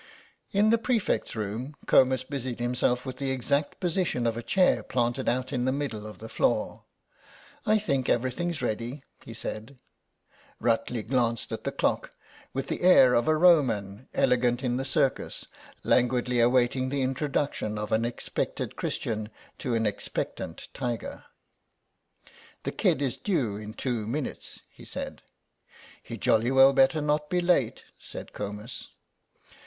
In the prefects' room, Comus busied himself with the exact position of a chair planted out in the middle of the floor. "I think everything's ready," he said. Rutley glanced at the clock with the air of a Roman elegant in the Circus, languidly awaiting the introduction of an expected Christian to an expectant tiger. "The kid is due in two minutes," he said. "He'd jolly well better not be late," said Comus.